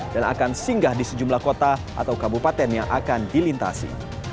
dan akan singgah di sejumlah kota atau kabupaten yang akan dilintasi